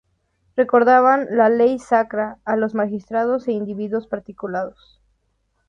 Recordaban la ley sacra a los magistrados e individuos particulares.